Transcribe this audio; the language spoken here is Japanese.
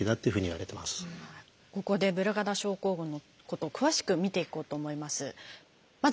ここでブルガダ症候群のことを詳しく見ていこうと思います。